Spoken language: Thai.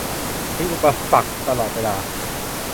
มีอุปสรรคตลอดเวลา